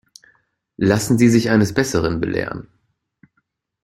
Lassen Sie sich eines Besseren belehren.